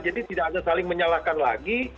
jadi tidak ada saling menyalahkan lagi